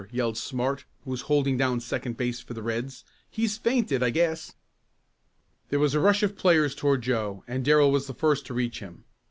yelled Smart, who was holding down second base for the Reds. "He's fainted I guess." There was a rush of players toward Joe, and Darrell was the first to reach him.